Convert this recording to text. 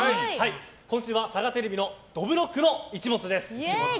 今週は、サガテレビの「どぶろっくの一物」です。